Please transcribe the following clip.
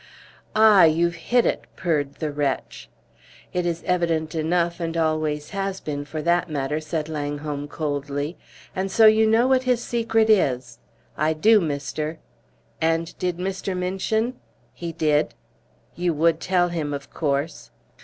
"Ah! You've hit it," purred the wretch. "It is evident enough, and always has been, for that matter," said Langholm, coldly. "And so you know what his secret is!" "I do, mister." "And did Mr. Minchin?" "He did." "You would tell him, of course?"